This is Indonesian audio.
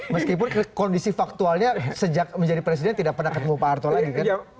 meskipun kondisi faktualnya sejak menjadi presiden tidak pernah ketemu pak arto lagi kan